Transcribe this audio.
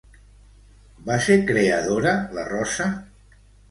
Va ser creadora, la Rosa?